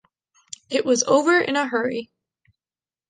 It was over in a hurry.